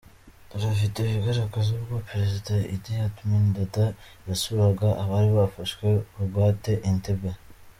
Dore video igaragaza ubwo Perezida Idi Amin Dada yasuraga abari bafashwe bugwate i Entebbe